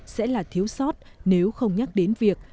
sẽ là thiếu sót nếu không nhắc đến việc